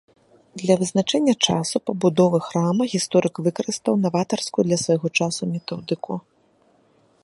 Для вызначэння часу пабудовы храма гісторык выкарыстаў наватарскую для свайго часу методыку.